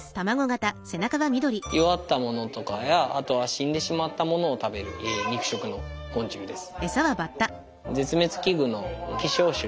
弱ったものとかやあとは死んでしまったものを食べる肉食の昆虫です。